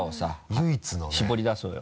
唯一のね。絞りだそうよ。